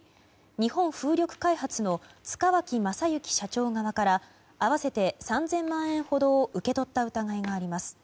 日本風力開発の塚脇正幸社長側から合わせて３０００万円ほどを受け取った疑いがあります。